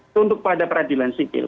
tunduk pada peradilan sipil